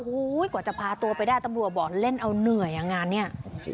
โอ้โหกว่าจะพาตัวไปได้ตำรวจบอกเล่นเอาเหนื่อยอ่ะงานเนี่ย